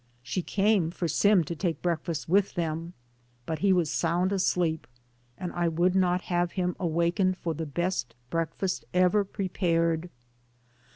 She came for Sim to take breakfast with them, but he was sound asleep, and I would not have had him awak ened for the best breakfast ever prepared.